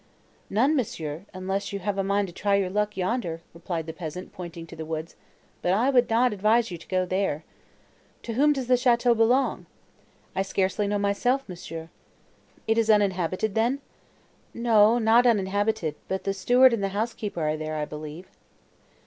"None, Monsieur, unless you have a mind to try your luck yonder," replied the peasant, pointing to the woods, "but I would not advise you to go there." "To whom does the château belong?" "I scarcely know myself, Monsieur." "It is uninhabited, then?"—"No, not uninhabited; the steward and housekeeper are there, I believe."